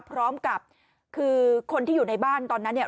พร้อมกับคือคนที่อยู่ในบ้านตอนนั้นเนี่ย